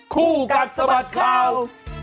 คู่กัดสะบัดข่าว